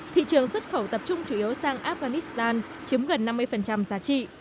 thị trường xuất khẩu tập trung chủ yếu sang afghanistan chiếm gần năm mươi giá trị